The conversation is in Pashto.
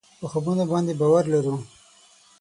په خوبونو باندې باور لرو.